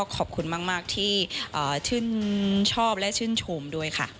ขอบคุณมากที่ชื่นชอบและชื่นชมด้วยค่ะ